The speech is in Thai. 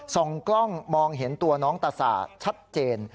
ส่องกล้องมองเห็นตัวน้องตาสาชัดเจน